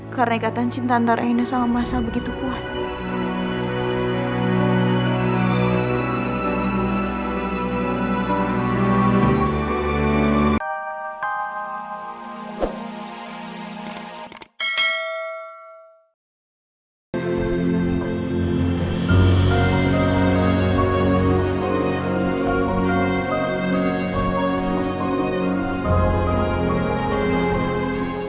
karena ikatan cinta antara rina sama masa begitu kuat